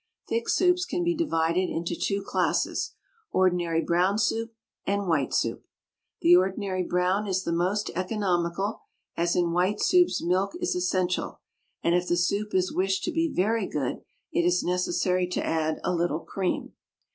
Thick soups can be divided into two classes ordinary brown soup, and white soup. The ordinary brown is the most economical, as in white soups milk is essential, and if the soup is wished to be very good it is necessary to add a little cream.